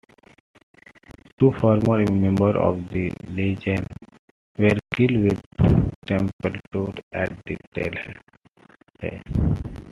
Two former members of the Legion were killed with Trumpeldor at Tel Hai.